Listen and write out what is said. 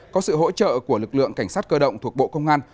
có sự hỗ trợ của lực lượng cảnh sát cơ động thuộc bộ công an